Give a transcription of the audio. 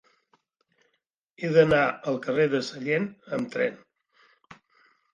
He d'anar al carrer de Sallent amb tren.